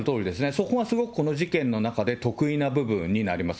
そこがすごくこの事件の中で特異な部分になります。